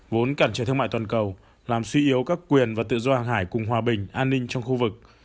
vốn cản trở thương mại toàn cầu làm suy yếu các quyền và tự do hàng hải cùng hòa bình an ninh trong khu vực